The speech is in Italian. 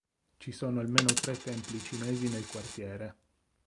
Ci sono almeno tre templi cinesi nel quartiere.